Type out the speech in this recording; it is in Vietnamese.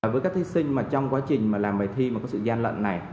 với các thí sinh trong quá trình làm bài thi mà có sự gian lận này